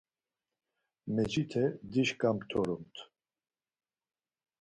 Mecite dişǩa ptorumt.